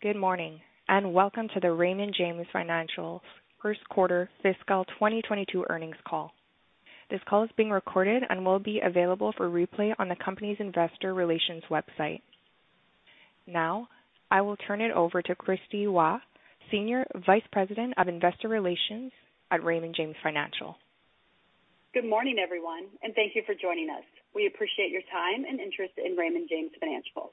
Good morning, and welcome to the Raymond James Financial Q1 fiscal 2022 earnings call. This call is being recorded and will be available for replay on the company's investor relations website. Now, I will turn it over to Kristie Waugh, Senior Vice President of Investor Relations at Raymond James Financial. Good morning, everyone, and thank you for joining us. We appreciate your time and interest in Raymond James Financial.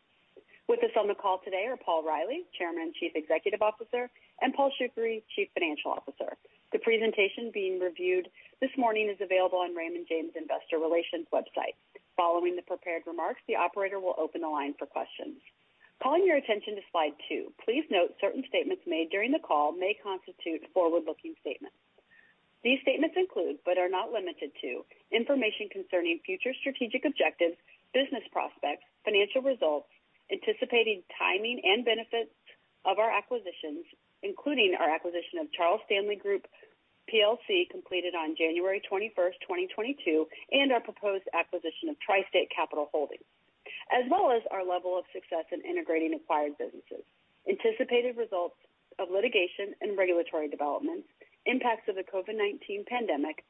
With us on the call today are Paul Reilly, Chairman and Chief Executive Officer, and Paul Shoukry, Chief Financial Officer. The presentation being reviewed this morning is available on Raymond James Investor Relations website. Following the prepared remarks, the operator will open the line for questions. Calling your attention to slide two. Please note certain statements made during the call may constitute forward-looking statements. These statements include, but are not limited to, information concerning future strategic objectives, business prospects, financial results, anticipated timing and benefits of our acquisitions, including our acquisition of Charles Stanley Group PLC, completed on January 21, 2022, and our proposed acquisition of TriState Capital Holdings, as well as our level of success in integrating acquired businesses, anticipated results of litigation and regulatory developments, impacts of the COVID-19 pandemic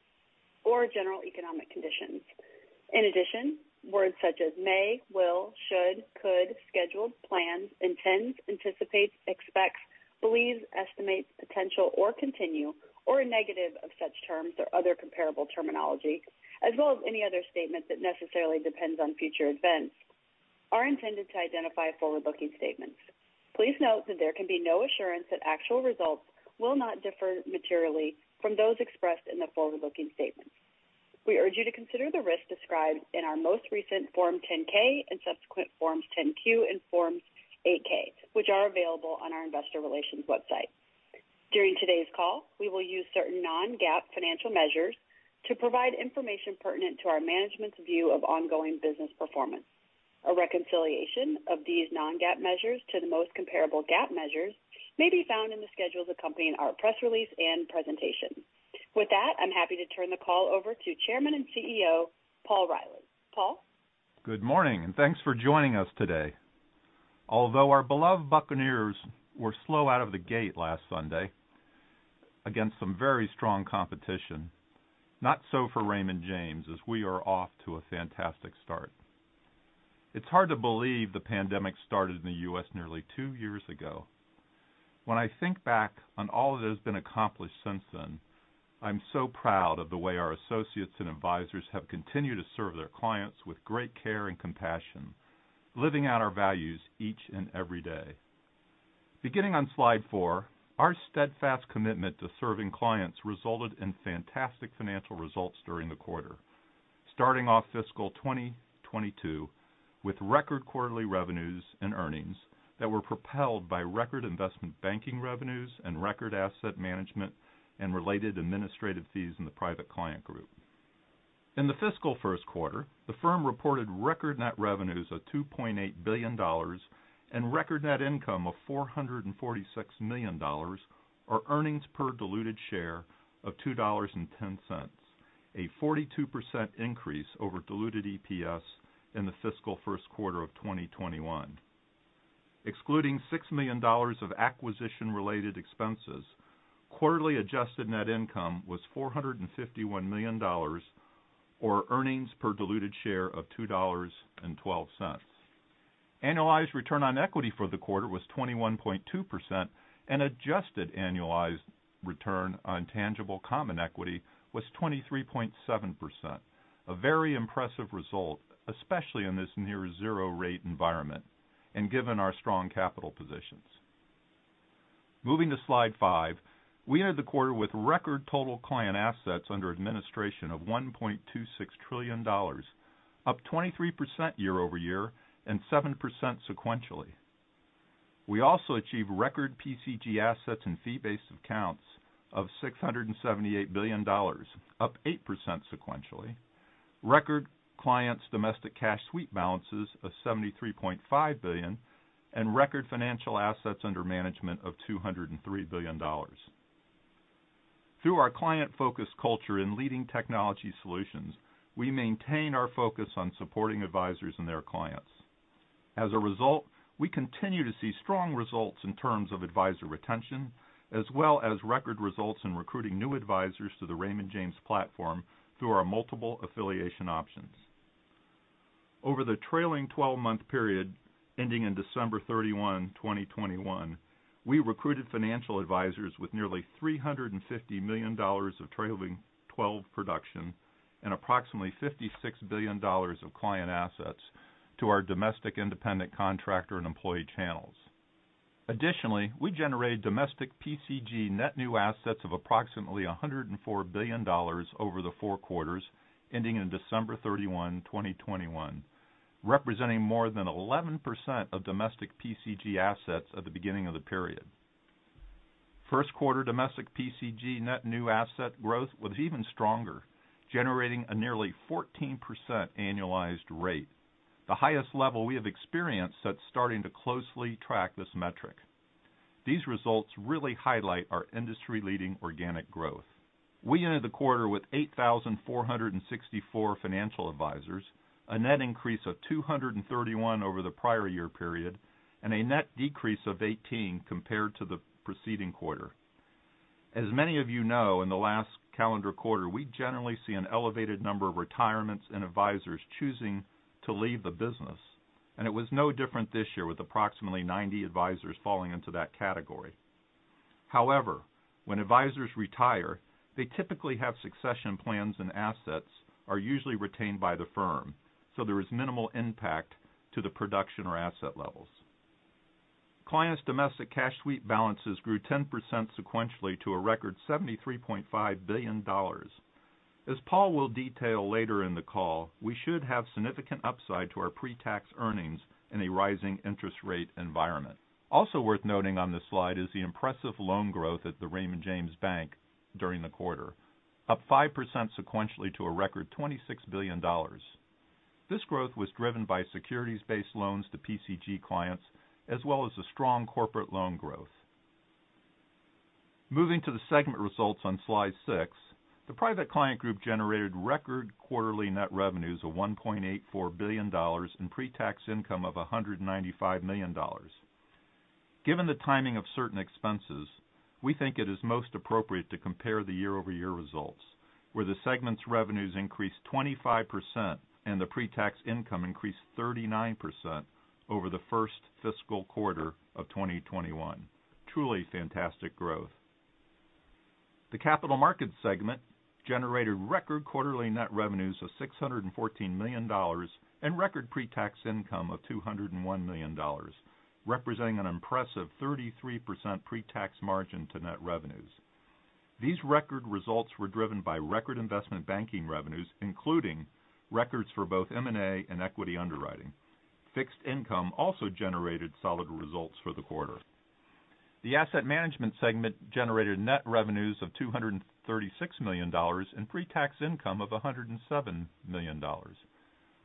or general economic conditions. In addition, words such as may, will, should, could, schedule, plans, intends, anticipates, expects, believes, estimates, potential or continue, or a negative of such terms or other comparable terminology, as well as any other statement that necessarily depends on future events, are intended to identify forward-looking statements. Please note that there can be no assurance that actual results will not differ materially from those expressed in the forward-looking statements. We urge you to consider the risks described in our most recent Form 10-K and subsequent Forms 10-Q and Forms 8-K, which are available on our investor relations website. During today's call, we will use certain non-GAAP financial measures to provide information pertinent to our management's view of ongoing business performance. A reconciliation of these non-GAAP measures to the most comparable GAAP measures may be found in the schedules accompanying our press release and presentation. With that, I'm happy to turn the call over to Chairman and CEO, Paul Reilly. Paul. Good morning, and thanks for joining us today. Although our beloved Buccaneers were slow out of the gate last Sunday against some very strong competition, not so for Raymond James, as we are off to a fantastic start. It's hard to believe the pandemic started in the U.S. nearly two years ago. When I think back on all that has been accomplished since then, I'm so proud of the way our associates and advisors have continued to serve their clients with great care and compassion, living out our values each and every day. Beginning on slide four, our steadfast commitment to serving clients resulted in fantastic financial results during the quarter, starting off fiscal 2022 with record quarterly revenues and earnings that were propelled by record investment banking revenues and record asset management and related administrative fees in the Private Client Group. In the fiscal Q1 the firm reported record net revenues of $2.8 billion and record net income of $446 million or earnings per diluted share of $2.10, a 42% increase over diluted EPS in the fiscal Q1 of 2021. Excluding $6 million of acquisition-related expenses, quarterly adjusted net income was $451 million or earnings per diluted share of $2.12. Annualized return on equity for the quarter was 21.2% and adjusted annualized return on tangible common equity was 23.7%. A very impressive result, especially in this near zero rate environment and given our strong capital positions. Moving to slide five. We ended the quarter with record total client assets under administration of $1.26 trillion, up 23% year-over-year and 7% sequentially. We also achieved record PCG assets and fee-based accounts of $678 billion, up 8% sequentially. Record client domestic cash sweep balances of $73.5 billion and record financial assets under management of $203 billion. Through our client-focused culture and leading technology solutions, we maintain our focus on supporting advisors and their clients. As a result, we continue to see strong results in terms of advisor retention as well as record results in recruiting new advisors to the Raymond James platform through our multiple affiliation options. Over the trailing twelve-month period ending in December 31st, 2021, we recruited financial advisors with nearly $350 million of trailing 12 production and approximately $56 billion of client assets to our domestic independent contractor and employee channels. Additionally, we generated domestic PCG net new assets of approximately $104 billion over the four quarters ending in December 31st, 2021, representing more than 11% of domestic PCG assets at the beginning of the period. Q1 domestic PCG net new asset growth was even stronger, generating a nearly 14% annualized rate, the highest level we have experienced since starting to closely track this metric. These results really highlight our industry-leading organic growth. We ended the quarter with 8,464 financial advisors, a net increase of 231 over the prior year period, and a net decrease of 18 compared to the preceding quarter. As many of you know, in the last calendar quarter, we generally see an elevated number of retirements and advisors choosing to leave the business, and it was no different this year, with approximately 90 advisors falling into that category. However, when advisors retire, they typically have succession plans, and assets are usually retained by the firm, so there is minimal impact to the production or asset levels. Clients' domestic cash sweep balances grew 10% sequentially to a record $73.5 billion. As Paul will detail later in the call, we should have significant upside to our pre-tax earnings in a rising interest rate environment. Also worth noting on this slide is the impressive loan growth at the Raymond James Bank during the quarter, up 5% sequentially to a record $26 billion. This growth was driven by securities-based loans to PCG clients, as well as the strong corporate loan growth. Moving to the segment results on slide six, the Private Client Group generated record quarterly net revenues of $1.84 billion in pre-tax income of $195 million. Given the timing of certain expenses, we think it is most appropriate to compare the year-over-year results, where the segment's revenues increased 25% and the pre-tax income increased 39% over the first fiscal quarter of 2021. Truly fantastic growth. The Capital Markets segment generated record quarterly net revenues of $614 million and record pre-tax income of $201 million, representing an impressive 33% pre-tax margin to net revenues. These record results were driven by record investment banking revenues, including records for both M&A and equity underwriting. Fixed income also generated solid results for the quarter. The Asset Management segment generated net revenues of $236 million and pre-tax income of $107 million.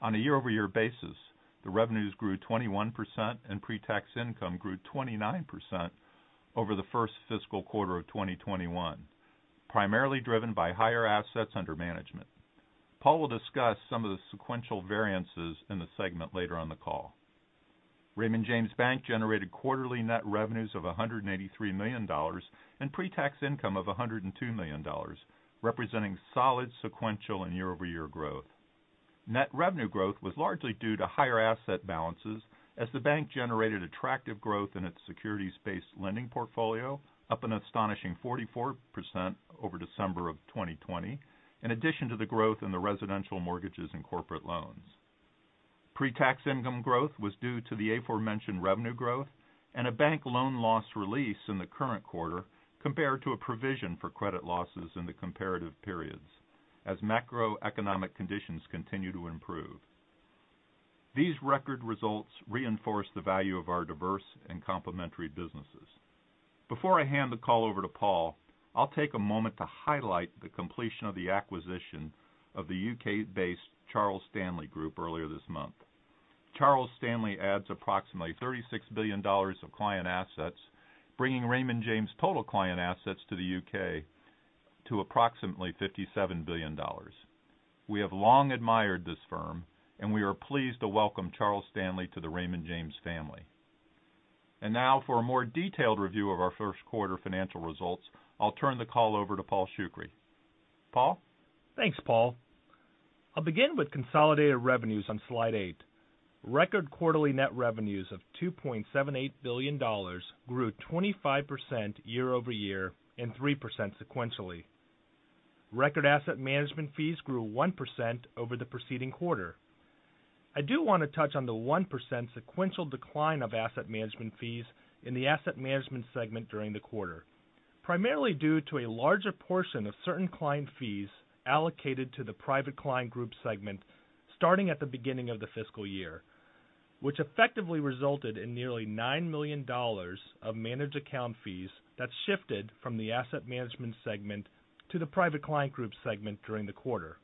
On a year-over-year basis, the revenues grew 21% and pre-tax income grew 29% over the first fiscal quarter of 2021, primarily driven by higher assets under management. Paul will discuss some of the sequential variances in the segment later on the call. Raymond James Bank generated quarterly net revenues of $183 million and pre-tax income of $102 million, representing solid sequential and year-over-year growth. Net revenue growth was largely due to higher asset balances as the bank generated attractive growth in its securities-based lending portfolio, up an astonishing 44% over December of 2020, in addition to the growth in the residential mortgages and corporate loans. Pre-tax income growth was due to the aforementioned revenue growth and a bank loan loss release in the current quarter compared to a provision for credit losses in the comparative periods as macroeconomic conditions continue to improve. These record results reinforce the value of our diverse and complementary businesses. Before I hand the call over to Paul, I'll take a moment to highlight the completion of the acquisition of the U.K.-based Charles Stanley Group earlier this month. Charles Stanley adds approximately $36 billion of client assets, bringing Raymond James' total client assets to the U.K. to approximately $57 billion. We have long admired this firm, and we are pleased to welcome Charles Stanley to the Raymond James family. Now for a more detailed review of our Q1 financial results, I'll turn the call over to Paul Shoukry. Paul? Thanks, Paul. I'll begin with consolidated revenues on slide eight. Record quarterly net revenues of $2.78 billion grew 25% year-over-year and 3% sequentially. Record asset management fees grew 1% over the preceding quarter. I do want to touch on the 1% sequential decline of asset management fees in the Asset Management segment during the quarter, primarily due to a larger portion of certain client fees allocated to the Private Client Group segment starting at the beginning of the fiscal year, which effectively resulted in nearly $9 million of managed account fees that shifted from the Asset Management segment to the Private Client Group segment during the quarter.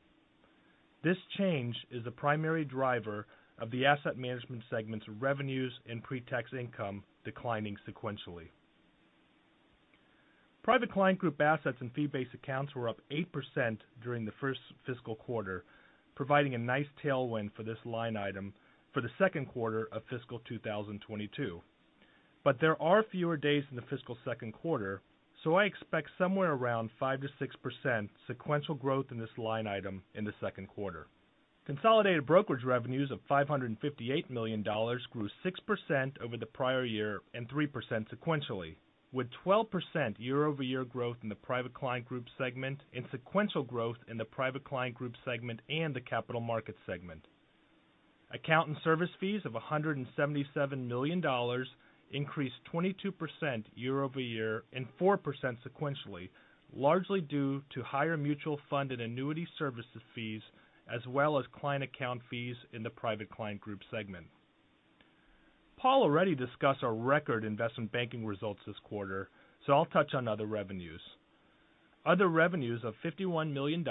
This change is the primary driver of the Asset Management segment's revenues and pre-tax income declining sequentially. Private Client Group assets and fee-based accounts were up 8% during the first fiscal quarter, providing a nice tailwind for this line item for the Q2 of fiscal 2022. There are fewer days in the fiscal Q2, so I expect somewhere around 5%-6% sequential growth in this line item in the Q2. Consolidated brokerage revenues of $558 million grew 6% over the prior year and 3% sequentially, with 12% year-over-year growth in the Private Client Group segment and sequential growth in the Private Client Group segment and the Capital Markets segment. Account and service fees of $177 million increased 22% year-over-year and 4% sequentially, largely due to higher mutual fund and annuity services fees as well as client account fees in the Private Client Group segment. Paul already discussed our record investment banking results this quarter, so I'll touch on other revenues. Other revenues of $51 million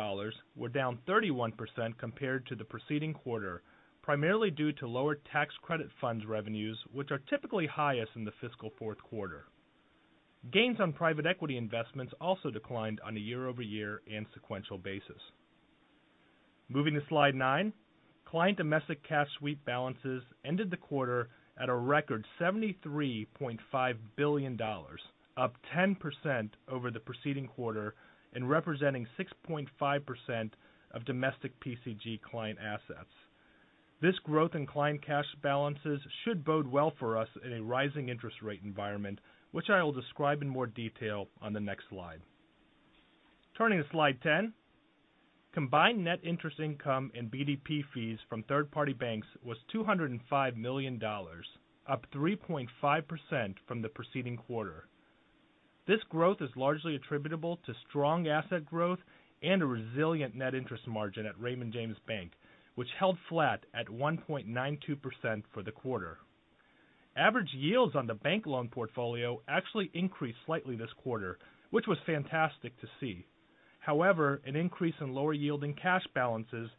were down 31% compared to the preceding quarter, primarily due to lower tax credit funds revenues which are typically highest in the fiscal Q4. Gains on private equity investments also declined on a year-over-year and sequential basis. Moving to slide nine, client domestic cash sweep balances ended the quarter at a record $73.5 billion, up 10% over the preceding quarter and representing 6.5% of domestic PCG client assets. This growth in client cash balances should bode well for us in a rising interest rate environment, which I will describe in more detail on the next slide. Turning to slide 10. Combined net interest income and BDP fees from third-party banks was $205 million, up 3.5% from the preceding quarter. This growth is largely attributable to strong asset growth and a resilient net interest margin at Raymond James Bank, which held flat at 1.92% for the quarter. Average yields on the bank loan portfolio actually increased slightly this quarter, which was fantastic to see. However, an increase in lower yielding cash balances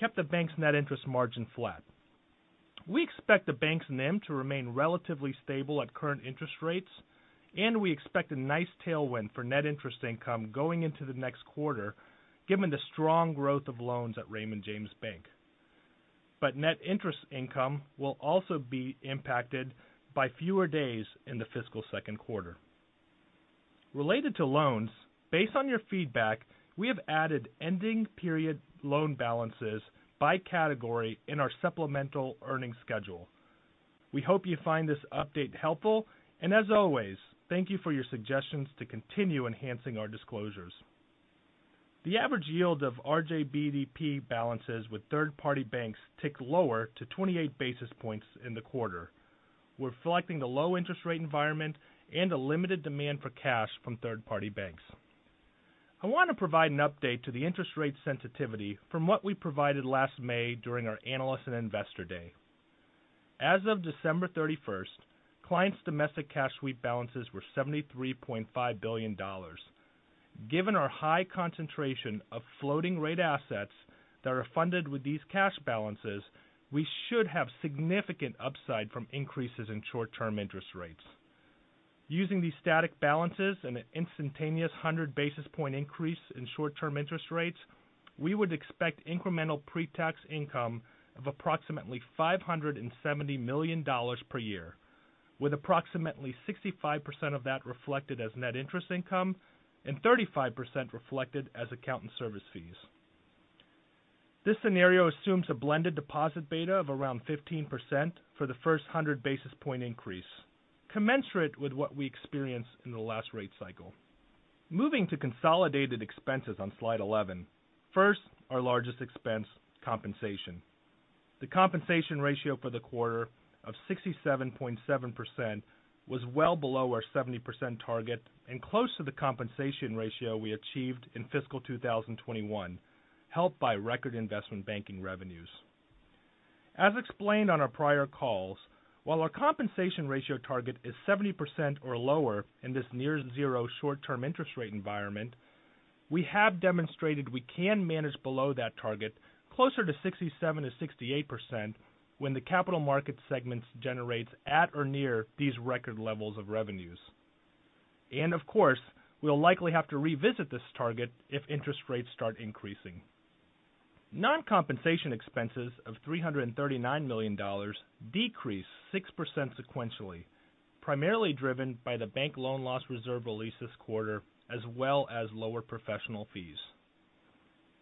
kept the bank's net interest margin flat. We expect the bank's NIM to remain relatively stable at current interest rates, and we expect a nice tailwind for net interest income going into the next quarter given the strong growth of loans at Raymond James Bank. Net interest income will also be impacted by fewer days in the fiscal Q2. Related to loans, based on your feedback, we have added ending period loan balances by category in our supplemental earnings schedule. We hope you find this update helpful, and as always, thank you for your suggestions to continue enhancing our disclosures. The average yield of RJBDP balances with third-party banks ticked lower to 28 basis points in the quarter. We're reflecting the low interest rate environment and a limited demand for cash from third-party banks. I want to provide an update to the interest rate sensitivity from what we provided last May during our Analyst & Investor Day. As of December 31st, clients' domestic cash sweep balances were $73.5 billion. Given our high concentration of floating rate assets that are funded with these cash balances, we should have significant upside from increases in short-term interest rates. Using these static balances and an instantaneous 100 basis point increase in short-term interest rates, we would expect incremental pre-tax income of approximately $570 million per year, with approximately 65% of that reflected as net interest income and 35% reflected as account and service fees. This scenario assumes a blended deposit beta of around 15% for the first 100 basis point increase, commensurate with what we experienced in the last rate cycle. Moving to consolidated expenses on slide 11. First, our largest expense, compensation. The compensation ratio for the quarter of 67.7% was well below our 70% target and close to the compensation ratio we achieved in fiscal 2021, helped by record investment banking revenues. As explained on our prior calls, while our compensation ratio target is 70% or lower in this near zero short-term interest rate environment, we have demonstrated we can manage below that target closer to 67%-68% when the capital market segments generates at or near these record levels of revenues. Of course, we'll likely have to revisit this target if interest rates start increasing. Non-compensation expenses of $339 million decreased 6% sequentially, primarily driven by the bank loan loss reserve release this quarter as well as lower professional fees.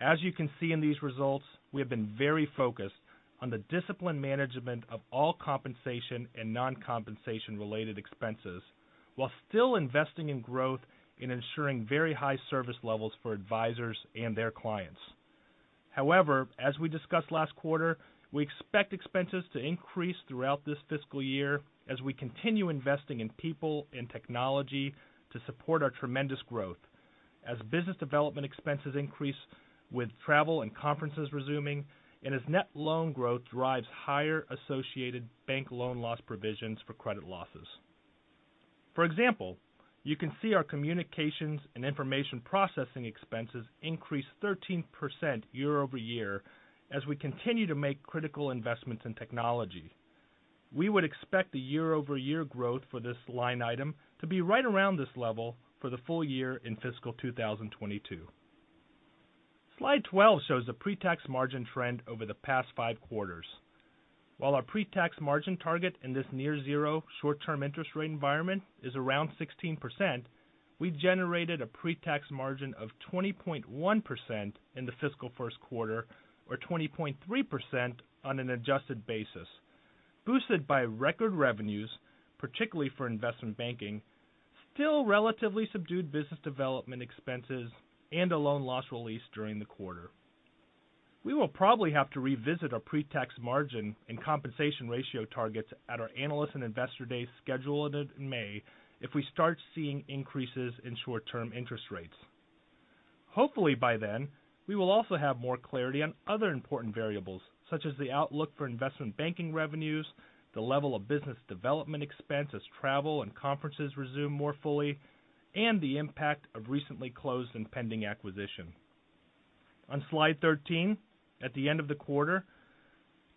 As you can see in these results, we have been very focused on the disciplined management of all compensation and non-compensation related expenses while still investing in growth and ensuring very high service levels for advisors and their clients. However, as we discussed last quarter, we expect expenses to increase throughout this fiscal year as we continue investing in people and technology to support our tremendous growth as business development expenses increase with travel and conferences resuming and as net loan growth drives higher associated bank loan loss provisions for credit losses. For example, you can see our communications and information processing expenses increased 13% year-over-year as we continue to make critical investments in technology. We would expect the year-over-year growth for this line item to be right around this level for the full year in fiscal 2022. Slide 12 shows the pre-tax margin trend over the past five quarters. While our pre-tax margin target in this near zero short-term interest rate environment is around 16%, we generated a pre-tax margin of 20.1% in the fiscal Q1 or 20.3% on an adjusted basis, boosted by record revenues, particularly for investment banking, still relatively subdued business development expenses and a loan loss release during the quarter. We will probably have to revisit our pre-tax margin and compensation ratio targets at our Analyst & Investor Day scheduled in May if we start seeing increases in short-term interest rates. Hopefully by then, we will also have more clarity on other important variables, such as the outlook for investment banking revenues, the level of business development expense as travel and conferences resume more fully, and the impact of recently closed and pending acquisition. On slide 13, at the end of the quarter,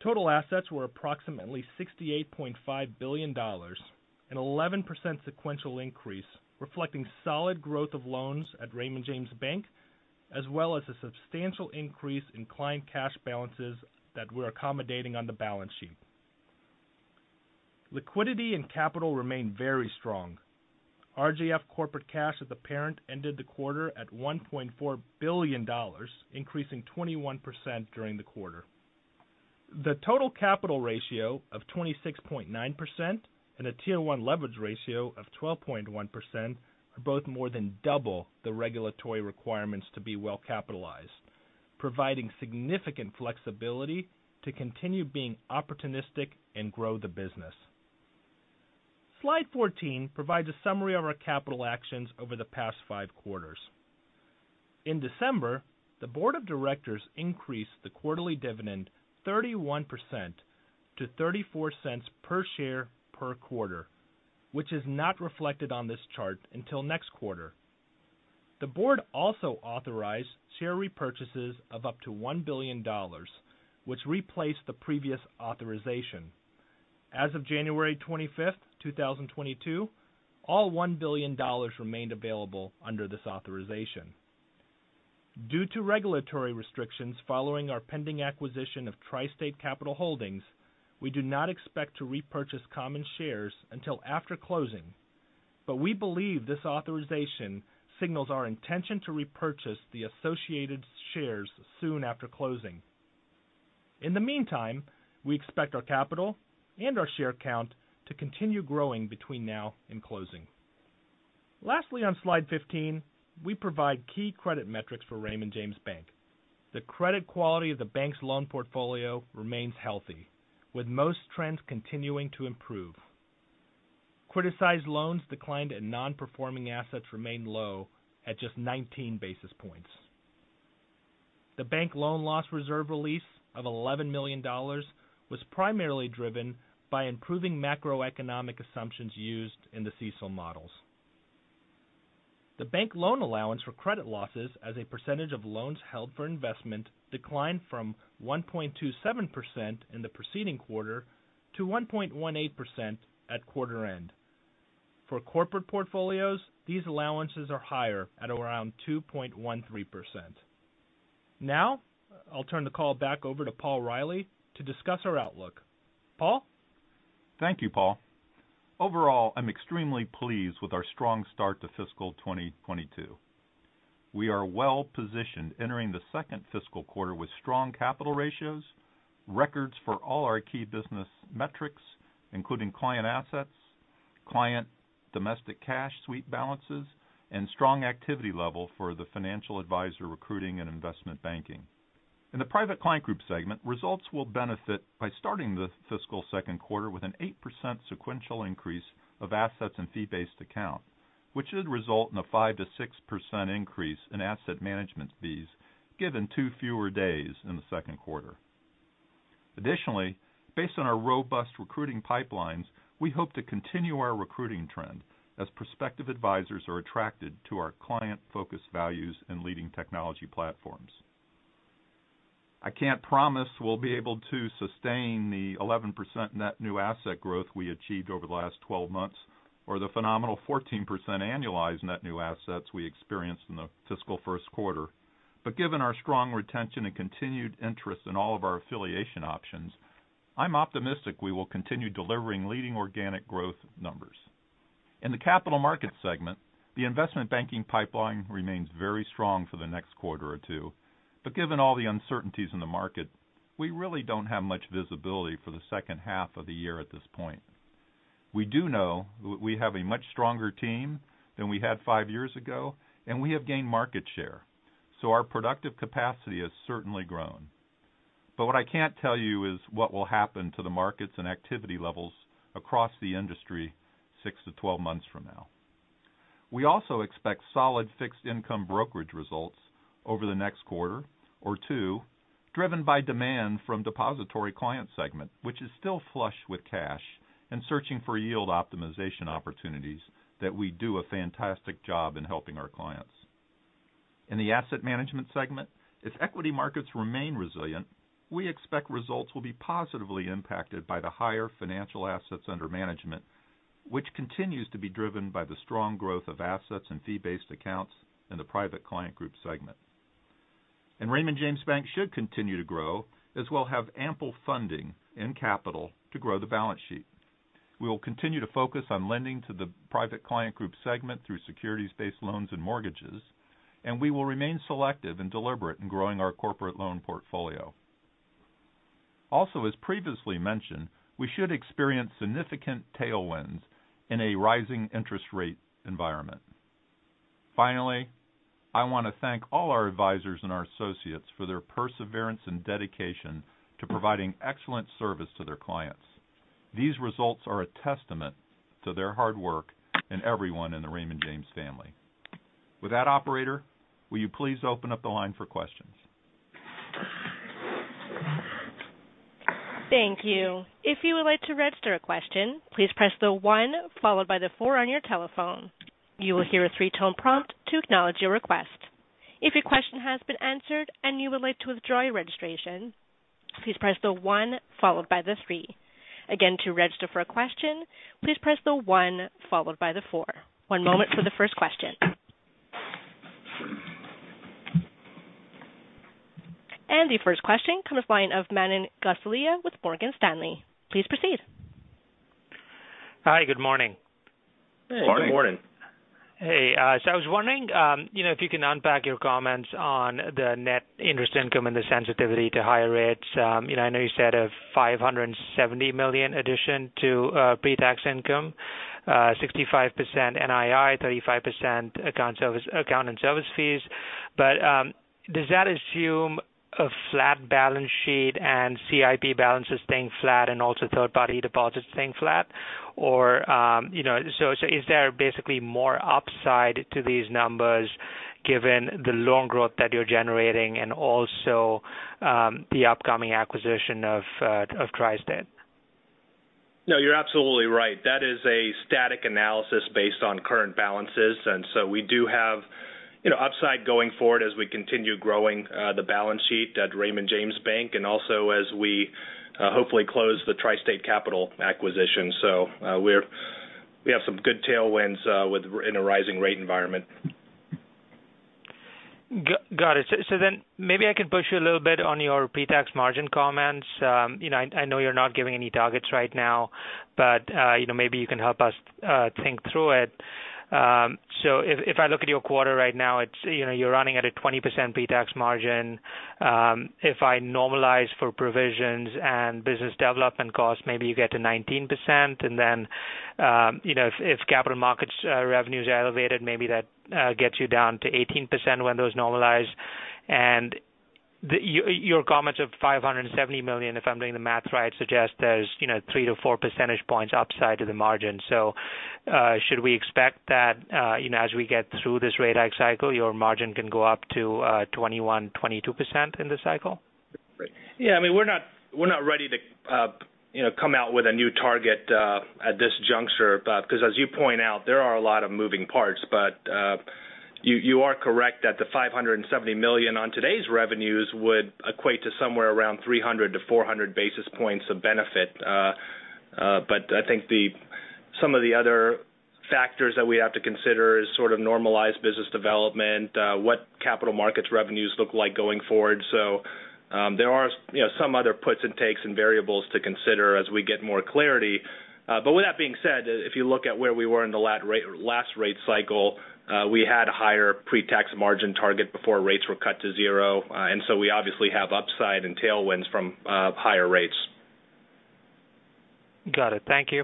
total assets were approximately $68.5 billion, an 11% sequential increase reflecting solid growth of loans at Raymond James Bank, as well as a substantial increase in client cash balances that we're accommodating on the balance sheet. Liquidity and capital remain very strong. RJF corporate cash as a parent ended the quarter at $1.4 billion, increasing 21% during the quarter. The total capital ratio of 26.9% and a tier one leverage ratio of 12.1% are both more than double the regulatory requirements to be well capitalized, providing significant flexibility to continue being opportunistic and grow the business. Slide 14 provides a summary of our capital actions over the past five quarters. In December, the board of directors increased the quarterly dividend 31% to $0.34 per share per quarter, which is not reflected on this chart until next quarter. The board also authorized share repurchases of up to $1 billion, which replaced the previous authorization. As of January 25th, 2022, all $1 billion remained available under this authorization. Due to regulatory restrictions following our pending acquisition of TriState Capital Holdings, we do not expect to repurchase common shares until after closing, but we believe this authorization signals our intention to repurchase the associated shares soon after closing. In the meantime, we expect our capital and our share count to continue growing between now and closing. Lastly, on slide 15, we provide key credit metrics for Raymond James Bank. The credit quality of the bank's loan portfolio remains healthy, with most trends continuing to improve. Criticized loans declined, and non-performing assets remained low at just 19 basis points. The bank loan loss reserve release of $11 million was primarily driven by improving macroeconomic assumptions used in the CECL models. The bank loan allowance for credit losses as a percentage of loans held for investment declined from 1.27% in the preceding quarter to 1.18% at quarter end. For corporate portfolios, these allowances are higher at around 2.13%. Now, I'll turn the call back over to Paul Reilly to discuss our outlook. Paul. Thank you, Paul. Overall, I'm extremely pleased with our strong start to fiscal 2022. We are well-positioned entering the second fiscal quarter with strong capital ratios, records for all our key business metrics, including client assets, client domestic cash sweep balances, and strong activity level for the financial advisor recruiting and investment banking. In the Private Client Group segment, results will benefit by starting the fiscal Q2 with an 8% sequential increase of assets in fee-based account, which should result in a 5%-6% increase in asset management fees given two fewer days in the Q2. Additionally, based on our robust recruiting pipelines, we hope to continue our recruiting trend as prospective advisors are attracted to our client-focused values and leading technology platforms. I can't promise we'll be able to sustain the 11% net new asset growth we achieved over the last 12 months or the phenomenal 14% annualized net new assets we experienced in the fiscal Q1. Given our strong retention and continued interest in all of our affiliation options, I'm optimistic we will continue delivering leading organic growth numbers. In the Capital Markets segment, the investment banking pipeline remains very strong for the next quarter or two, given all the uncertainties in the market, we really don't have much visibility for the second half of the year at this point. We do know we have a much stronger team than we had 5 years ago, and we have gained market share, so our productive capacity has certainly grown. What I can't tell you is what will happen to the markets and activity levels across the industry six to 12 months from now. We also expect solid fixed income brokerage results over the next quarter or two, driven by demand from the depository client segment, which is still flush with cash and searching for yield optimization opportunities that we do a fantastic job in helping our clients. In the Asset Management segment, if equity markets remain resilient, we expect results will be positively impacted by the higher financial assets under management, which continues to be driven by the strong growth of assets in fee-based accounts in the Private Client Group segment. Raymond James Bank should continue to grow as we'll have ample funding and capital to grow the balance sheet. We will continue to focus on lending to the Private Client Group segment through securities-based loans and mortgages, and we will remain selective and deliberate in growing our corporate loan portfolio. Also, as previously mentioned, we should experience significant tailwinds in a rising interest rate environment. Finally, I want to thank all our advisors and our associates for their perseverance and dedication to providing excellent service to their clients. These results are a testament to their hard work and everyone in the Raymond James family. With that, operator, will you please open up the line for questions? Thank you. If you would like to register a question, please press the one followed by the four on your telephone. You will hear a three tone prompt to acknowledge your request. If your question has been answered and you would like to withdraw your registration, please press the one followed by the three. Again, to register for a question, please press the one followed by the four. One moment for the first question. The first question comes from the line of Manan Gosalia with Morgan Stanley. Please proceed. Hi. Good morning. Good morning. Morning. Hey, I was wondering, you know, if you can unpack your comments on the net interest income and the sensitivity to higher rates. You know, I know you said a $570 million addition to pretax income, 65% NII, 35% account and service fees. But, does that assume a flat balance sheet and CIP balances staying flat and also third-party deposits staying flat or, you know, so is there basically more upside to these numbers given the loan growth that you're generating and also the upcoming acquisition of TriState? No, you're absolutely right. That is a static analysis based on current balances, and so we do have, you know, upside going forward as we continue growing the balance sheet at Raymond James Bank and also as we hopefully close the TriState Capital acquisition. We have some good tailwinds within a rising rate environment. Got it. Maybe I could push you a little bit on your pretax margin comments. You know, I know you're not giving any targets right now, but you know, maybe you can help us think through it. If I look at your quarter right now, it's you know, you're running at a 20% pretax margin. If I normalize for provisions and business development costs, maybe you get to 19%. If capital markets revenues are elevated, maybe that gets you down to 8% when those normalize. Your comments of $570 million, if I'm doing the math right, suggest there's you know, 3 or 4 percentage points upside to the margin. So should we expect that, you know, as we get through this rate hike cycle, your margin can go up to 21%-22% in this cycle? I mean, we're not ready to come out with a new target at this juncture because as you point out, there are a lot of moving parts. You are correct that the $570 million on today's revenues would equate to somewhere around 300-400 basis points of benefit. I think some of the other factors that we have to consider is sort of normalized business development, what Capital Markets revenues look like going forward. There are some other puts and takes and variables to consider as we get more clarity. With that being said, if you look at where we were in the last rate cycle, we had higher pretax margin target before rates were cut to zero. We obviously have upside and tailwinds from higher rates. Got it. Thank you.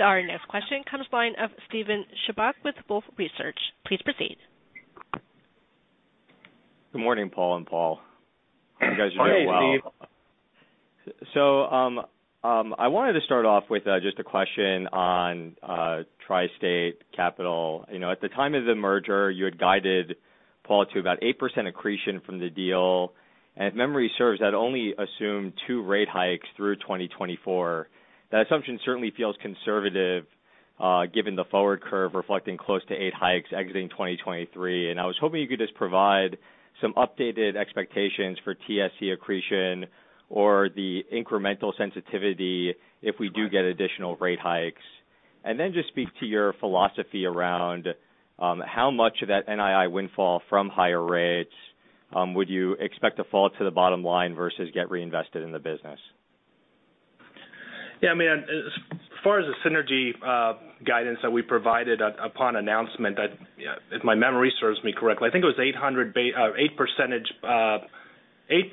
Our next question comes from the line of Steven Chubak with Wolfe Research. Please proceed. Good morning, Paul and Paul. Morning, Steven. You guys are doing well. I wanted to start off with just a question on TriState Capital. You know, at the time of the merger, you had guided Paul to about 8% accretion from the deal. If memory serves, that only assumed two rate hikes through 2024. That assumption certainly feels conservative, given the forward curve reflecting close to eight hikes exiting 2023. I was hoping you could just provide some updated expectations for TSC accretion or the incremental sensitivity if we do get additional rate hikes. Then just speak to your philosophy around how much of that NII windfall from higher rates would you expect to fall to the bottom line versus get reinvested in the business? Yeah, Manan, as far as the synergy guidance that we provided upon announcement, that, if my memory serves me correctly, I think it was 8%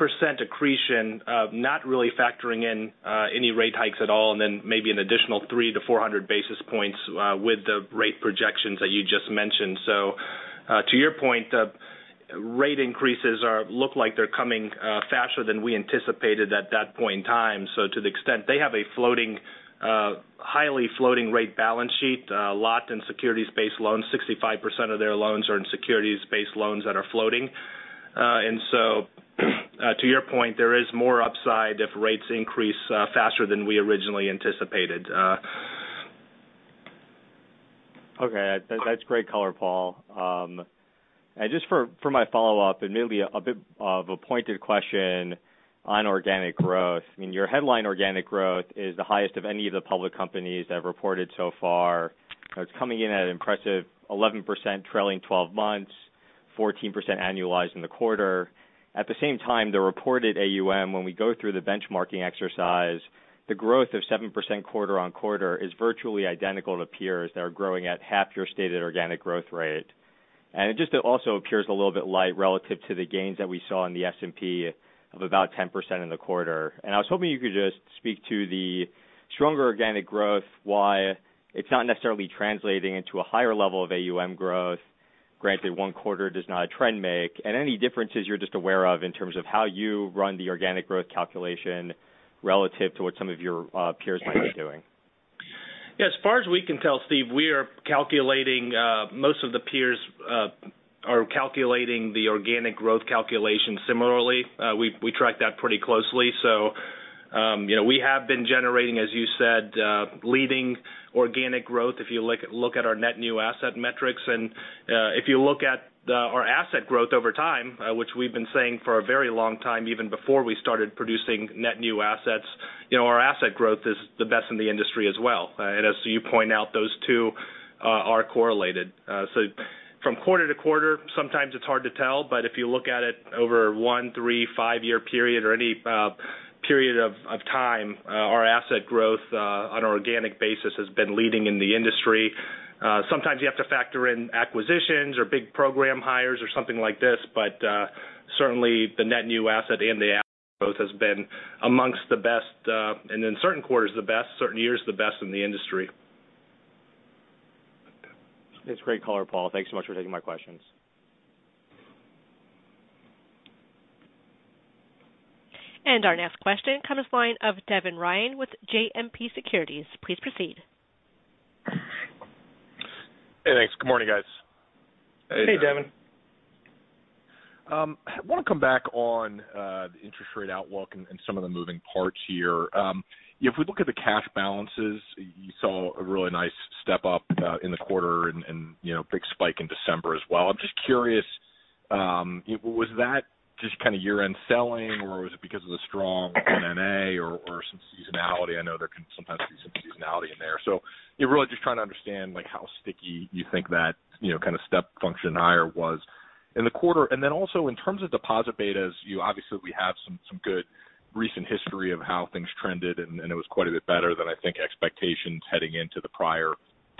accretion, not really factoring in any rate hikes at all, and then maybe an additional 300-400 basis points with the rate projections that you just mentioned. To your point, rate increases look like they're coming faster than we anticipated at that point in time. To the extent they have a floating, highly floating rate balance sheet, locked in securities-based loans, 65% of their loans are in securities-based loans that are floating. To your point, there is more upside if rates increase faster than we originally anticipated. Okay. That's great color, Paul. Just for my follow-up, maybe a bit of a pointed question on organic growth. I mean, your headline organic growth is the highest of any of the public companies that have reported so far. It's coming in at an impressive 11% trailing twelve months, 14% annualized in the quarter. At the same time, the reported AUM, when we go through the benchmarking exercise, the growth of 7% quarter-over-quarter is virtually identical to peers that are growing at half your stated organic growth rate. It just also appears a little bit light relative to the gains that we saw in the S&P of about 10% in the quarter. I was hoping you could just speak to the stronger organic growth, why it's not necessarily translating into a higher level of AUM growth. Granted one quarter does not a trend make. Any differences you're just aware of in terms of how you run the organic growth calculation relative to what some of your peers might be doing. Yeah. As far as we can tell, Steve, we are calculating most of the peers are calculating the organic growth calculation similarly. We track that pretty closely. You know, we have been generating, as you said, leading organic growth if you look at our net new asset metrics. If you look at our asset growth over time, which we've been saying for a very long time, even before we started producing net new assets, you know, our asset growth is the best in the industry as well. As you point out, those two are correlated. From quarter to quarter, sometimes it's hard to tell, but if you look at it over one-, three-, five-year period or any period of time, our asset growth on an organic basis has been leading in the industry. Sometimes you have to factor in acquisitions or big program hires or something like this, but certainly the net new asset and the asset growth has been amongst the best, and in certain quarters the best, certain years the best in the industry. It's a great color, Paul. Thanks so much for taking my questions. Our next question comes from the line of Devin Ryan with JMP Securities. Please proceed. Hey, thanks. Good morning, guys. Hey, Devin. Hey, Devin. I want to come back on the interest rate outlook and some of the moving parts here. If we look at the cash balances, you saw a really nice step up in the quarter and you know, big spike in December as well. I'm just curious, was that just kind of year-end selling, or was it because of the strong M&A or some seasonality? I know there can sometimes be some seasonality in there. Yeah, really just trying to understand like how sticky you think that you know, kind of step function higher was in the quarter. Then also in terms of deposit betas, you know, we have some good recent history of how things trended and it was quite a bit better than I think expectations heading into the prior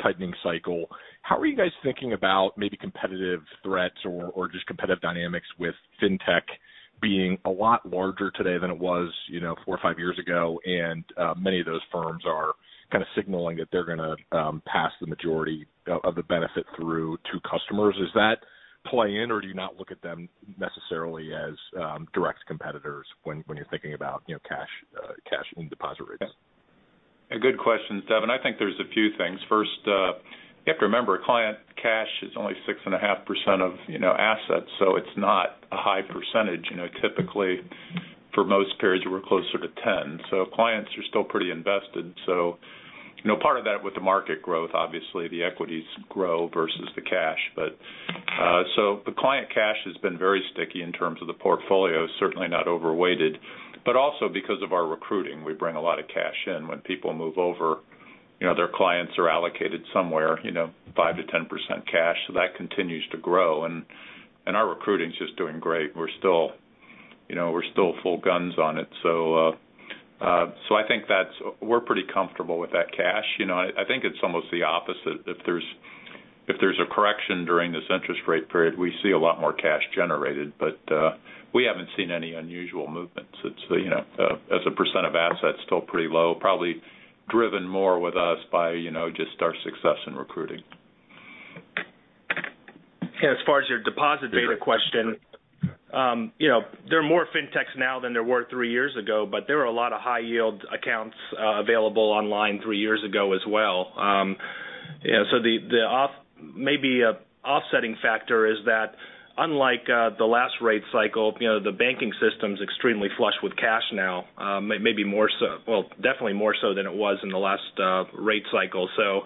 tightening cycle. How are you guys thinking about maybe competitive threats or just competitive dynamics with fintech being a lot larger today than it was, you know, four or five years ago, and many of those firms are kind of signaling that they're gonna pass the majority of the benefit through to customers? Does that play in or do you not look at them necessarily as direct competitors when you're thinking about, you know, cash and deposit rates? A good question, Devin. I think there's a few things. First, you have to remember, client cash is only 6.5% of, you know, assets, so it's not a high percentage. You know, typically for most periods we're closer to 10%. Clients are still pretty invested. You know, part of that with the market growth, obviously the equities grow versus the cash. The client cash has been very sticky in terms of the portfolio, certainly not overweighted but also because of our recruiting, we bring a lot of cash in. When people move over, you know, their clients are allocated somewhere, you know, 5%-10% cash. That continues to grow and our recruiting is just doing great. We're still, you know, full guns on it. I think that's. We're pretty comfortable with that cash. You know, I think it's almost the opposite. If there's a correction during this interest rate period, we see a lot more cash generated, but we haven't seen any unusual movements. It's, you know, as a percentage of assets, still pretty low, probably driven more with us by, you know, just our success in recruiting. Yeah, as far as your deposit beta question, you know, there are more fintechs now than there were three years ago, but there were a lot of high-yield accounts available online three years ago as well. You know, so the offsetting factor is that unlike the last rate cycle, you know, the banking system is extremely flush with cash now, maybe more so. Well, definitely more so than it was in the last rate cycle. So,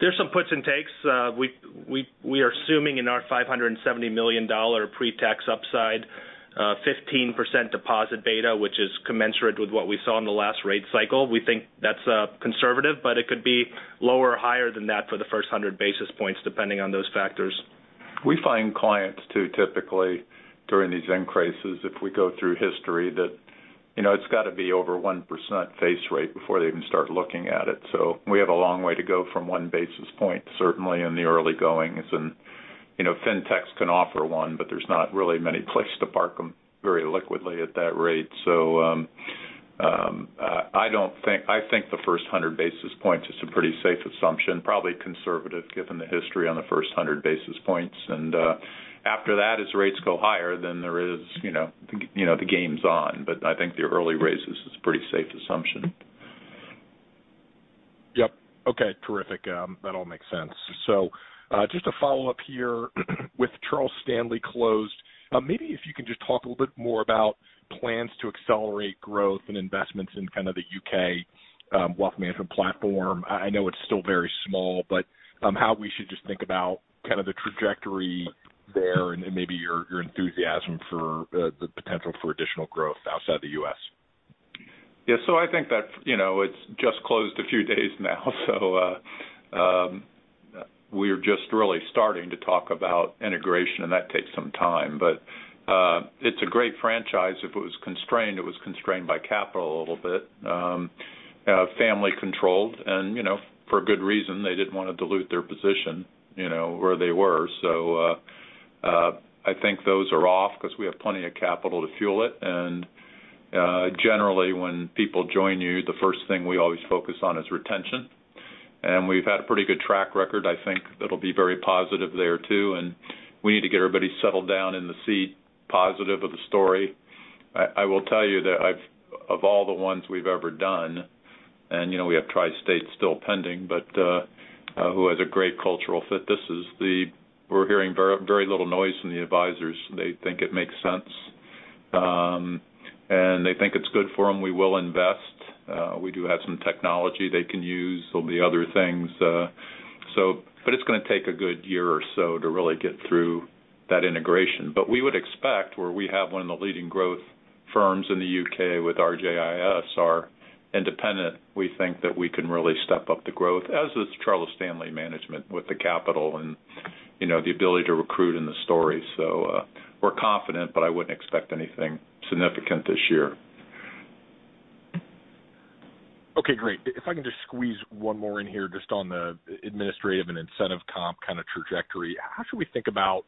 there's some puts and takes. We are assuming in our $570 million pre-tax upside, 15% deposit beta, which is commensurate with what we saw in the last rate cycle. We think that's conservative, but it could be lower or higher than that for the first 100 basis points depending on those factors. We find clients too, typically during these increases. If we go through history, you know, it's got to be over 1% Fed rate before they even start looking at it. We have a long way to go from 1 basis point, certainly in the early goings. You know, fintechs can offer 1%, but there's not really many places to park them very liquidly at that rate. I think the first 100 basis points is a pretty safe assumption, probably conservative given the history on the first 100 basis points. After that, as rates go higher, then there is, you know, the game's on. I think the early raises is a pretty safe assumption. Yep. Okay. Terrific. That all makes sense. Just a follow-up here with Charles Stanley closed, maybe if you can just talk a little bit more about plans to accelerate growth and investments in kind of the U.K., wealth management platform. I know it's still very small, but how we should just think about kind of the trajectory there and maybe your enthusiasm for the potential for additional growth outside the U.S. Yeah. I think that, you know, it's just closed a few days now, so, we're just really starting to talk about integration and that takes some time. It's a great franchise. If it was constrained by capital a little bit, family controlled and, you know, for good reason, they didn't want to dilute their position, you know, where they were. I think those are off because we have plenty of capital to fuel it. Generally, when people join you, the first thing we always focus on is retention. We've had a pretty good track record. I think it'll be very positive there too, and we need to get everybody settled down in the seat, positive of the story. I will tell you that of all the ones we've ever done, you know, we have TriState still pending, but who has a great cultural fit. This is the one. We're hearing very little noise from the advisors. They think it makes sense, and they think it's good for them. We will invest. We do have some technology they can use. There'll be other things, but it's gonna take a good year or so to really get through that integration. We would expect where we have one of the leading growth firms in the U.K. with RJIS are independent. We think that we can really step up the growth, as is Charles Stanley management with the capital and, you know, the ability to recruit in the story. We're confident, but I wouldn't expect anything significant this year. Okay, great. If I can just squeeze one more in here just on the administrative and incentive comp kind of trajectory. How should we think about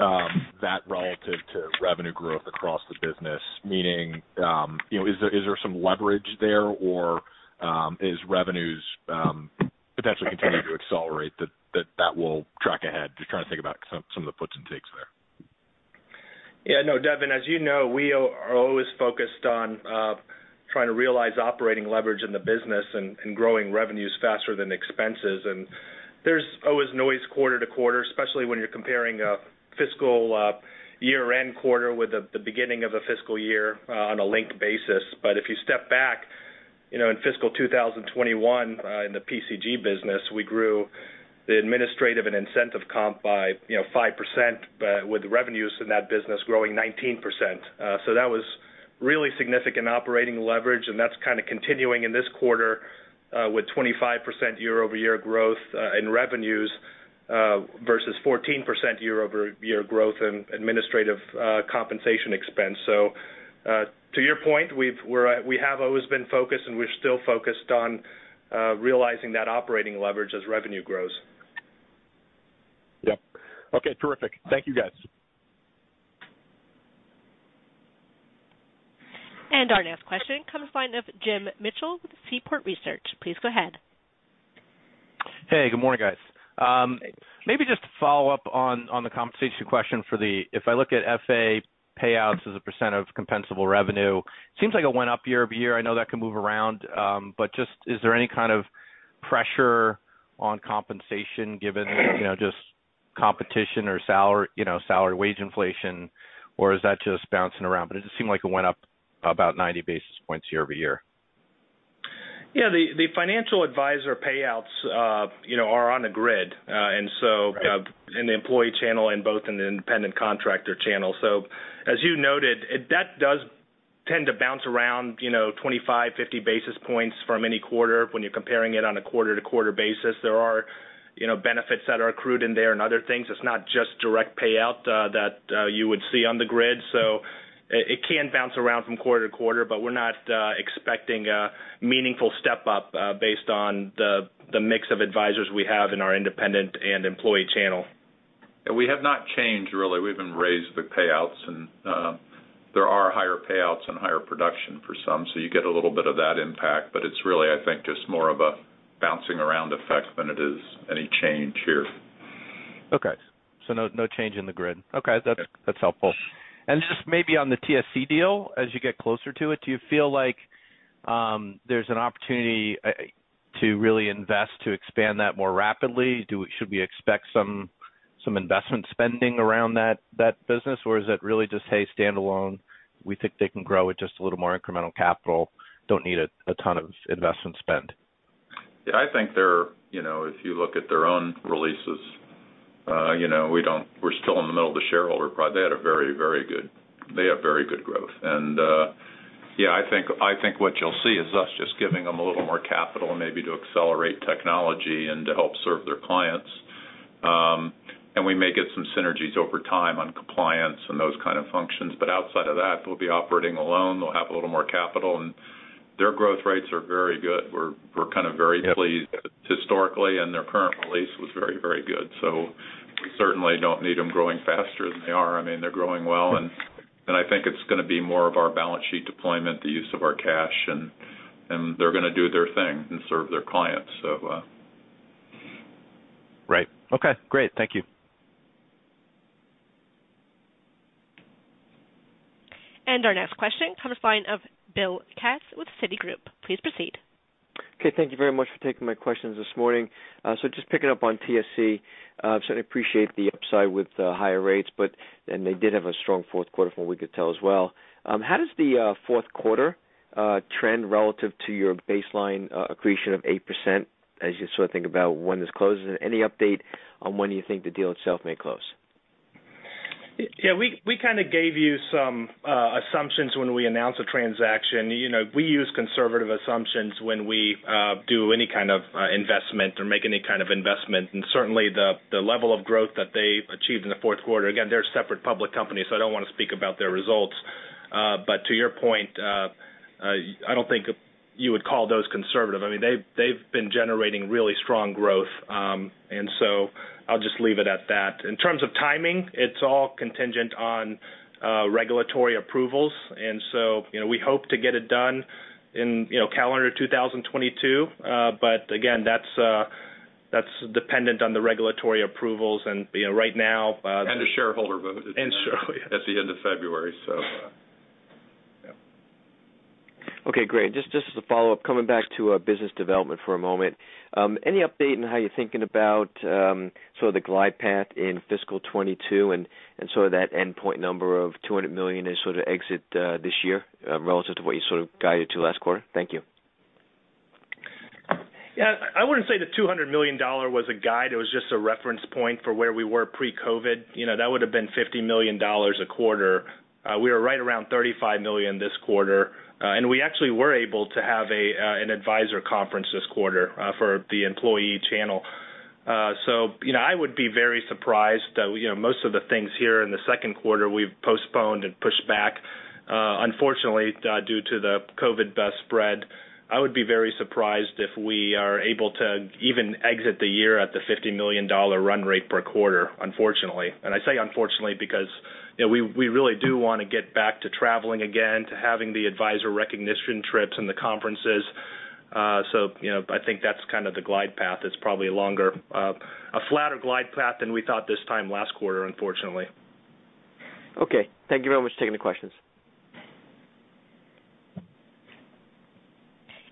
that relative to revenue growth across the business? Meaning, you know, is there some leverage there or is revenues potentially continuing to accelerate that will track ahead? Just trying to think about some of the puts and takes there. Yeah, no, Devin, as you know, we are always focused on trying to realize operating leverage in the business and growing revenues faster than expenses. There's always noise quarter to quarter, especially when you're comparing a fiscal year-end quarter with the beginning of a fiscal year on a linked basis. If you step back, you know, in fiscal 2021, in the PCG business, we grew the administrative and incentive comp by, you know, 5%, but with revenues in that business growing 19%. So that was really significant operating leverage, and that's kind of continuing in this quarter with 25% year-over-year growth in revenues versus 14% year-over-year growth in administrative compensation expense. To your point, we have always been focused, and we're still focused on realizing that operating leverage as revenue grows. Yep. Okay, terrific. Thank you, guys. Our next question comes from the line of Jim Mitchell with Seaport Research. Please go ahead. Hey, good morning, guys. Maybe just to follow up on the compensation question for the. If I look at FA payouts as a % of compensable revenue, seems like it went up year-over-year. I know that can move around, but just is there any kind of pressure on compensation given, you know, just competition or salary wage inflation? Or is that just bouncing around? It just seemed like it went up about 90 basis points year-over-year. Yeah, the financial advisor payouts, you know, are on a grid, and so. Right. In the employee channel and both in the independent contractor channel. As you noted, that does tend to bounce around, you know, 25-50 basis points from any quarter when you're comparing it on a quarter-to-quarter basis. There are, you know, benefits that are accrued in there and other things. It's not just direct payout that you would see on the grid. It can bounce around from quarter to quarter, but we're not expecting a meaningful step up based on the mix of advisors we have in our independent and employee channel. Yeah, we have not changed really. We haven't raised the payouts and, there are higher payouts and higher production for some, so you get a little bit of that impact. It's really, I think, just more of a bouncing around effect than it is any change here. Okay. No change in the grid. Okay. Yeah. That's helpful. Just maybe on the TSC deal, as you get closer to it, do you feel like there's an opportunity to really invest to expand that more rapidly? Should we expect some investment spending around that business? Or is it really just, hey, standalone, we think they can grow with just a little more incremental capital, don't need a ton of investment spend? Yeah, I think they're, you know, if you look at their own releases, you know, we're still in the middle of the shareholder vote. They have very good growth. I think what you'll see is us just giving them a little more capital maybe to accelerate technology and to help serve their clients. We may get some synergies over time on compliance and those kind of functions. Outside of that, we'll be operating alone. They'll have a little more capital, and their growth rates are very good. We're kind of very pleased historically, and their current release was very good. We certainly don't need them growing faster than they are. I mean, they're growing well, and I think it's gonna be more of our balance sheet deployment, the use of our cash, and they're gonna do their thing and serve their clients. Right. Okay, great. Thank you. Our next question comes from the line of Bill Katz with Citigroup. Please proceed. Okay, thank you very much for taking my questions this morning. Just picking up on TSC, certainly appreciate the upside with the higher rates, but they did have a strong Q4 from what we could tell as well. How does the Q4 trend relative to your baseline accretion of 8% as you sort of think about when this closes? Any update on when you think the deal itself may close? Yeah, we kind of gave you some assumptions when we announced the transaction. You know, we use conservative assumptions when we do any kind of investment or make any kind of investment. Certainly, the level of growth that they achieved in the Q4, again, they're a separate public company, so I don't want to speak about their results. To your point, I don't think you would call those conservative. I mean, they've been generating really strong growth. I'll just leave it at that. In terms of timing, it's all contingent on regulatory approvals. You know, we hope to get it done in calendar 2022. Again, that's dependent on the regulatory approvals. You know, right now. The shareholder vote at the end of February. Yep. Shareholder, yes. Okay, great. Just as a follow-up, coming back to business development for a moment. Any update on how you're thinking about sort of the glide path in fiscal 2022 and sort of that endpoint number of $200 million as sort of exit this year relative to what you sort of guided to last quarter? Thank you. Yeah. I wouldn't say the $200 million was a guide. It was just a reference point for where we were pre-COVID. You know, that would have been $50 million a quarter. We were right around $35 million this quarter. We actually were able to have an advisor conference this quarter for the employee channel. So, you know, I would be very surprised, you know, most of the things here in the Q2 we've postponed and pushed back, unfortunately, due to the COVID-19 spread. I would be very surprised if we are able to even exit the year at the $50 million run rate per quarter, unfortunately. I say unfortunately, because, you know, we really do wanna get back to traveling again, to having the advisor recognition trips and the conferences. You know, I think that's kind of the glide path. It's probably longer, a flatter glide path than we thought this time last quarter, unfortunately. Okay. Thank you very much for taking the questions.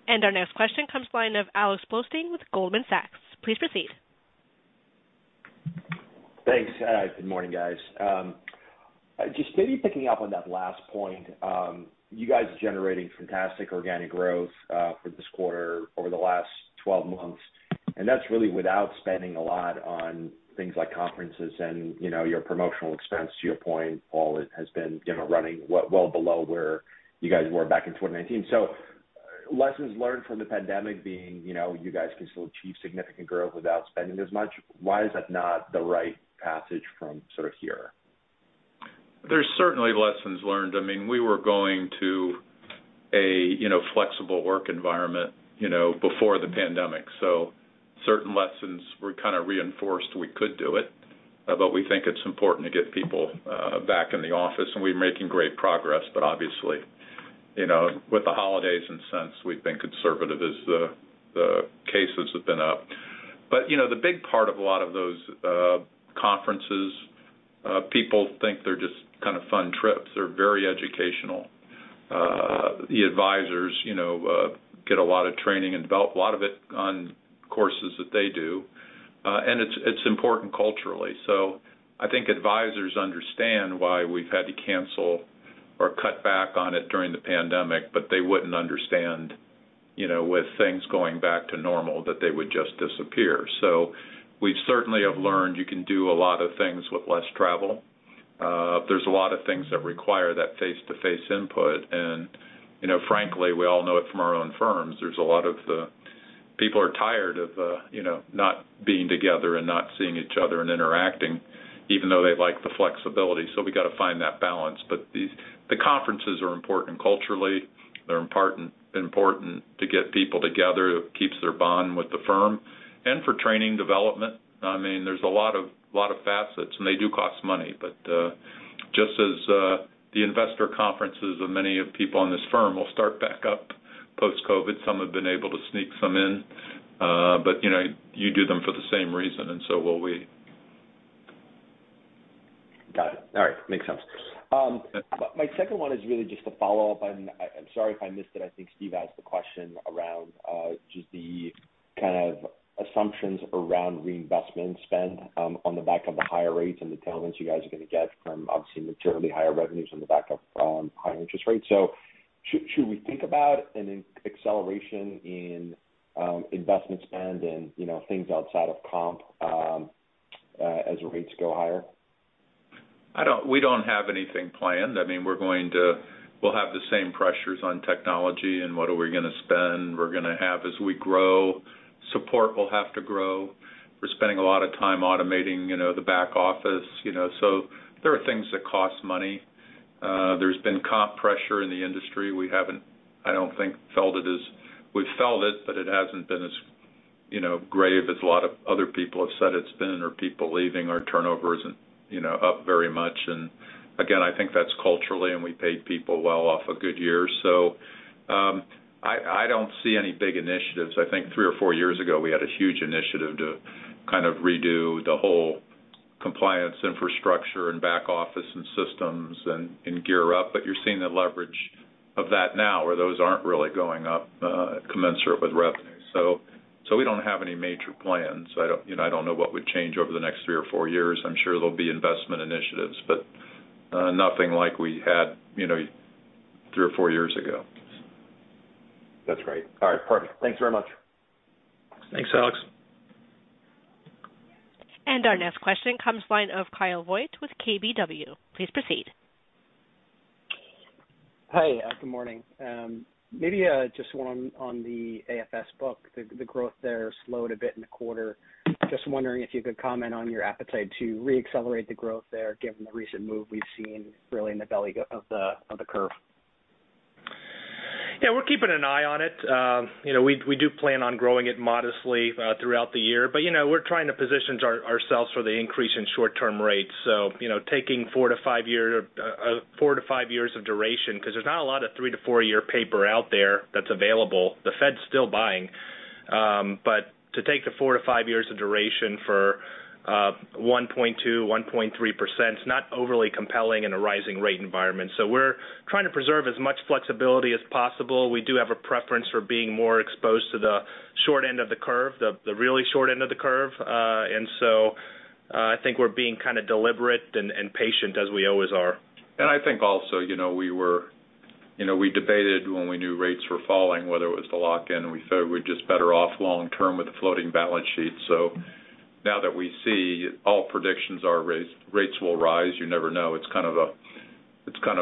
Our next question comes from the line of Alex Blostein with Goldman Sachs. Please proceed. Thanks. Good morning, guys. Just maybe picking up on that last point, you guys are generating fantastic organic growth for this quarter over the last 12 months, and that's really without spending a lot on things like conferences and, you know, your promotional expense. To your point, Paul, it has been, you know, running well below where you guys were back in 2019. Lessons learned from the pandemic being, you know, you guys can still achieve significant growth without spending as much. Why is that not the right passage from sort of here? There's certainly lessons learned. I mean, we were going to a you know flexible work environment you know before the pandemic. Certain lessons were kind of reinforced. We could do it, but we think it's important to get people back in the office, and we're making great progress. Obviously, you know, with the holidays and since we've been conservative as the cases have been up. You know, the big part of a lot of those conferences people think they're just kind of fun trips. They're very educational. The advisors, you know, get a lot of training and develop a lot of it on courses that they do. It's important culturally. I think advisors understand why we've had to cancel or cut back on it during the pandemic, but they wouldn't understand, you know, with things going back to normal, that they would just disappear. We certainly have learned you can do a lot of things with less travel. There's a lot of things that require that face-to-face input. You know, frankly, we all know it from our own firms, there's a lot of people are tired of, you know, not being together and not seeing each other and interacting, even though they like the flexibility. We gotta find that balance. The conferences are important culturally, they're important to get people together, it keeps their bond with the firm. For training development, I mean, there's a lot of facets, and they do cost money. Just as the investor conferences for many people at this firm will start back up post-COVID. Some have been able to sneak some in, but you know, you do them for the same reason and so will we. Got it. All right. Makes sense. My second one is really just a follow-up. I'm sorry if I missed it. I think Steve asked the question around just the kind of assumptions around reinvestment spend on the back of the higher rates and the tailwinds you guys are gonna get from, obviously, materially higher revenues on the back of higher interest rates. Should we think about an acceleration in investment spend and, you know, things outside of comp as rates go higher? We don't have anything planned. I mean, we'll have the same pressures on technology and what we're gonna spend. We're gonna have as we grow, support will have to grow. We're spending a lot of time automating, you know, the back office, you know. So there are things that cost money. There's been comp pressure in the industry. We haven't, I don't think, felt it. We've felt it, but it hasn't been as, you know, grave as a lot of other people have said it's been or people leaving. Our turnover isn't, you know, up very much. Again, I think that's culturally, and we paid people well off a good year. So, I don't see any big initiatives. I think three or four years ago, we had a huge initiative to kind of redo the whole compliance infrastructure and back office and systems and gear up. You're seeing the leverage of that now, where those aren't really going up commensurate with revenue. We don't have any major plans. I don't know what would change over the next three or four years. I'm sure there'll be investment initiatives, but nothing like we had, you know, three or four years ago. That's great. All right, perfect. Thanks very much. Thanks, Alex. Our next question comes from the line of Kyle Voigt with KBW. Please proceed. Hi, good morning. Maybe just one on the AFS book, the growth there slowed a bit in the quarter. Just wondering if you could comment on your appetite to re-accelerate the growth there given the recent move we've seen really in the belly of the curve. Yeah, we're keeping an eye on it. You know, we do plan on growing it modestly throughout the year, but you know, we're trying to position ourselves for the increase in short-term rates. You know, taking four to five years of duration because there's not a lot of three to four-year paper out there that's available. The Fed's still buying. But to take the four to five years of duration for 1.2%-1.3%, it's not overly compelling in a rising rate environment. We're trying to preserve as much flexibility as possible. We do have a preference for being more exposed to the short end of the curve, the really short end of the curve. I think we're being kind of deliberate and patient as we always are. I think also, you know, we were, you know, we debated when we knew rates were falling, whether it was to lock in, and we said we're just better off long term with a floating balance sheet. Now that we see all predictions are rates will rise, you never know. It's kind of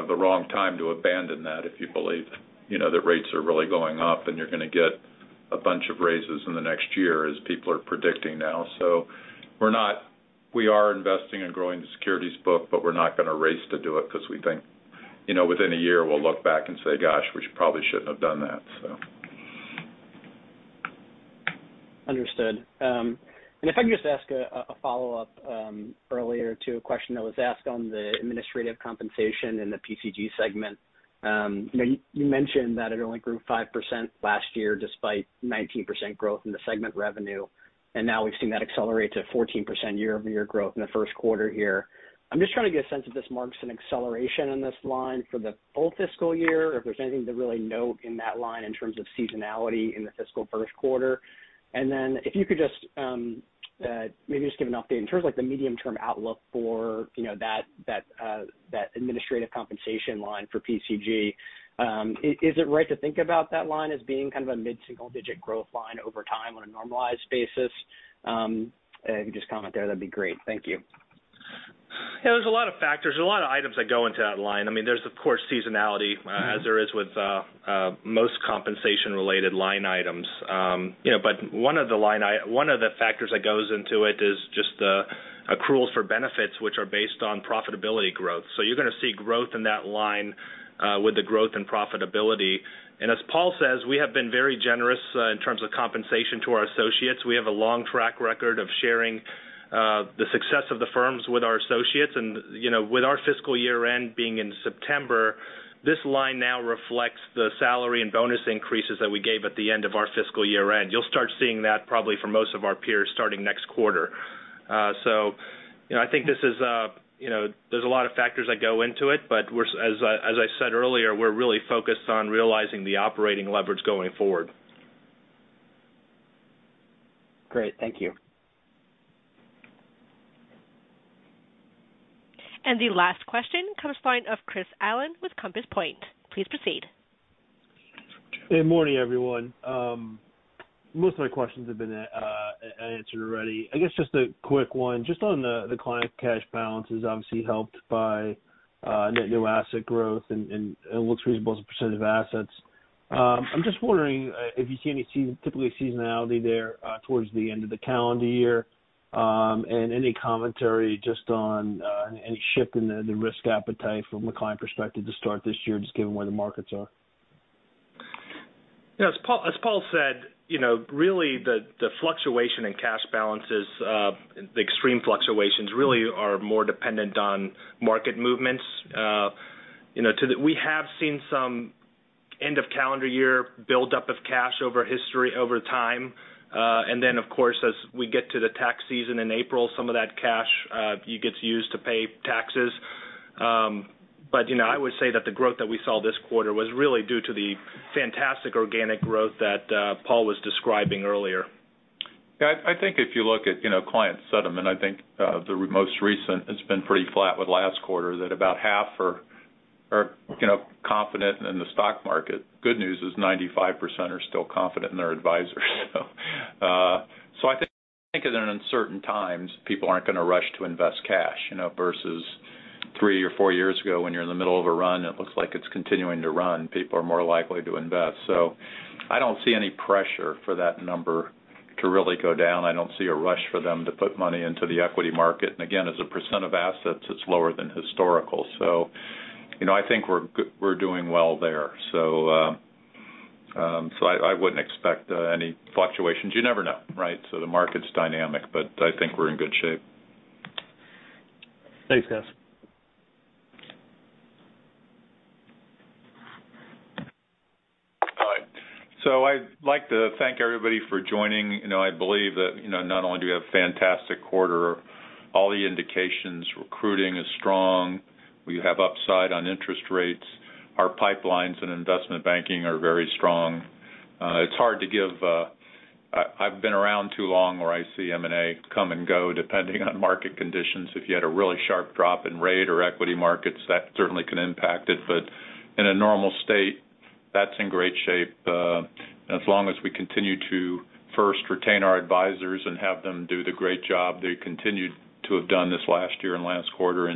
the wrong time to abandon that if you believe, you know, that rates are really going up and you're gonna get a bunch of raises in the next year as people are predicting now. We're not, we are investing in growing the securities book, but we're not gonna race to do it because we think, you know, within a year we'll look back and say, "Gosh, we probably shouldn't have done that. Understood. If I could just ask a follow-up earlier to a question that was asked on the administrative compensation in the PCG segment. You know, you mentioned that it only grew 5% last year despite 19% growth in the segment revenue, and now we've seen that accelerate to 14% year-over-year growth in the Q1 here. I'm just trying to get a sense if this marks an acceleration in this line for the full fiscal year, if there's anything to really note in that line in terms of seasonality in the fiscal Q1. Then if you could just maybe just give an update in terms of like the medium-term outlook for, you know, that administrative compensation line for PCG. Is it right to think about that line as being kind of a mid-single-digit growth line over time on a normalized basis? If you could just comment there, that'd be great. Thank you. Yeah, there's a lot of factors. There's a lot of items that go into that line. I mean, there's of course seasonality, as there is with most compensation-related line items. You know, one of the factors that goes into it is just the accrual for benefits, which are based on profitability growth. You're gonna see growth in that line with the growth and profitability. As Paul says, we have been very generous in terms of compensation to our associates. We have a long track record of sharing the success of the firms with our associates. You know, with our fiscal year-end being in September, this line now reflects the salary and bonus increases that we gave at the end of our fiscal year-end. You'll start seeing that probably for most of our peers starting next quarter. You know, I think this is, you know, there's a lot of factors that go into it, but as I said earlier, we're really focused on realizing the operating leverage going forward. Great. Thank you. The last question comes from the line of Chris Allen with Compass Point. Please proceed. Hey, morning, everyone. Most of my questions have been answered already. I guess just a quick one. Just on the client cash balance is obviously helped by net new asset growth and it looks reasonable as a percentage of assets. I'm just wondering if you see any typical seasonality there towards the end of the calendar year and any commentary just on any shift in the risk appetite from a client perspective to start this year, just given where the markets are. Yeah, as Paul said, you know, really the fluctuation in cash balances, the extreme fluctuations really are more dependent on market movements. You know, we have seen some end of calendar year buildup of cash over history over time. Of course, as we get to the tax season in April, some of that cash gets used to pay taxes. You know, I would say that the growth that we saw this quarter was really due to the fantastic organic growth that Paul was describing earlier. Yeah, I think if you look at, you know, client sentiment, I think the most recent it's been pretty flat with last quarter that about half are, you know, confident in the stock market. Good news is 95% are still confident in their advisors. I think in uncertain times, people aren't gonna rush to invest cash, you know, versus three or four years ago when you're in the middle of a run, it looks like it's continuing to run, people are more likely to invest. I don't see any pressure for that number to really go down. I don't see a rush for them to put money into the equity market. And again, as a percent of assets, it's lower than historical. You know, I think we're doing well there. I wouldn't expect any fluctuations. You never know, right? The market's dynamic, but I think we're in good shape. Thanks, guys. All right. I'd like to thank everybody for joining. You know, I believe that, you know, not only do we have a fantastic quarter, all the indications, recruiting is strong. We have upside on interest rates. Our pipelines in investment banking are very strong. It's hard to give. I've been around too long, where I see M&A come and go depending on market conditions. If you had a really sharp drop in rate or equity markets, that certainly can impact it. In a normal state, that's in great shape. As long as we continue to first retain our advisors and have them do the great job they continued to have done this last year and last quarter,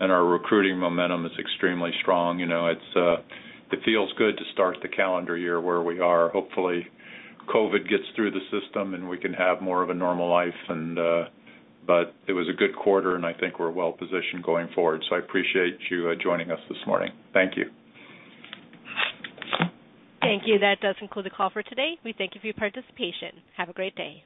and our recruiting momentum is extremely strong. You know, it feels good to start the calendar year where we are. Hopefully, COVID gets through the system, and we can have more of a normal life. It was a good quarter, and I think we're well-positioned going forward. I appreciate you joining us this morning. Thank you. Thank you. That does conclude the call for today. We thank you for your participation. Have a great day.